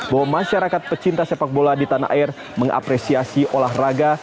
bahwa masyarakat pecinta sepak bola di tanah air mengapresiasi olahraga